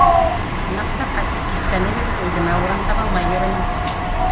Ҡунаҡтар ҡайтып киткәне бирле үҙемә урын таба алмай йөрөнөм.